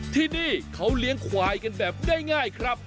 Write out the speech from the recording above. ที่นี่เขาเลี้ยงควายกันแบบง่ายครับ